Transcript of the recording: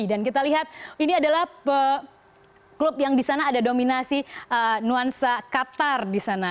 dan kita lihat ini adalah klub yang disana ada dominasi nuansa qatar disana